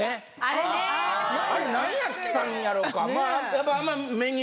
あれ何やったんやろか。